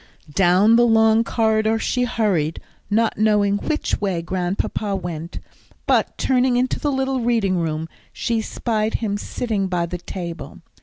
Down the long corridor she hurried, not knowing which way Grandpapa went, but turning into the little reading room, she spied him sitting by the table.